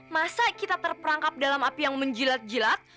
masa kita terperangkap dalam api yang menjilat jilat